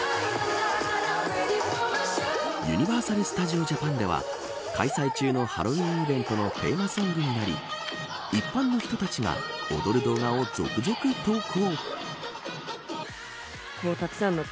ユニバーサル・スタジオ・ジャパンでは開催中のハロウィンイベントのテーマソングになり一般の人たちが踊る動画を続々投稿。